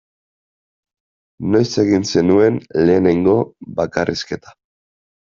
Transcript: Noiz egin zenuen lehenengo bakarrizketa?